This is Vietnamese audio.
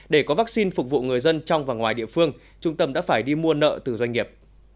để có vaccine phục vụ người dân trong và ngoài địa phương trung tâm đã phải đi mua nợ từ doanh nghiệp